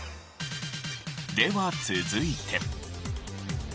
では続いて。